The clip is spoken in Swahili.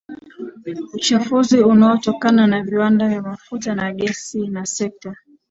Uchafuzi unaotokana na viwanda vya mafuta na gesi na sekta